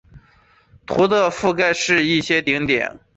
图的覆盖是一些顶点。